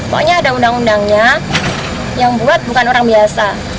pokoknya ada undang undangnya yang buat bukan orang biasa